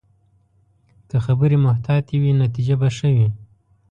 که خبرې محتاطې وي، نتیجه به ښه وي